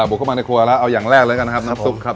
อ่าล่ะบุกเข้ามาในครัวแล้วเอาอย่างแรกเลยกันนะครับ